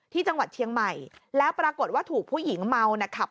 ที่จังหวัดเชียงใหม่แล้วปรากฏว่าถูกผู้หญิงเมานะครับ